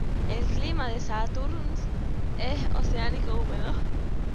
El clima en Santurce es oceánico húmedo.